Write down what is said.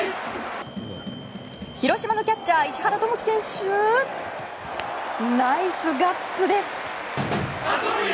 広島のキャッチャー石原貴規選手ナイスガッツです！